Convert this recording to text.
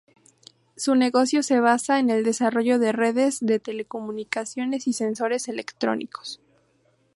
Su negocio se basa en el desarrollo de redes de telecomunicaciones y sensores electrónicos.